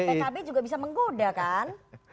pkb juga bisa menggoda kan